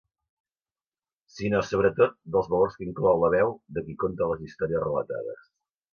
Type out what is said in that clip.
Sinó, sobretot, dels valors que inclou la veu de qui conta les històries relatades.